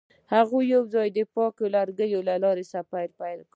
هغوی یوځای د پاک لرګی له لارې سفر پیل کړ.